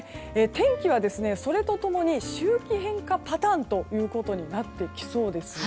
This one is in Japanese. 天気はそれと共に周期変化パターンとなってきそうです。